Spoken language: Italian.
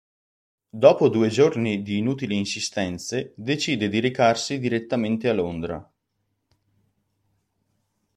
Dopo due giorni di inutili insistenze decide di recarsi direttamente a Londra.